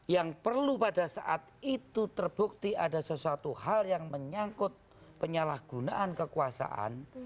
yang perlu pada saat itu terbukti ada sesuatu hal yang menyangkut penyalahgunaan kekuasaan